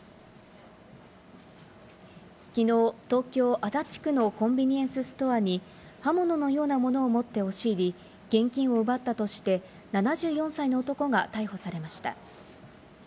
きのう、東京・足立区のコンビニエンスストアに刃物のようなものを持って押し入り、現金を奪ったとして、７４歳の男が逮捕されました。